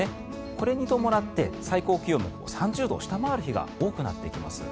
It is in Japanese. これに伴って最高気温も３０度を下回る日が多くなってきます。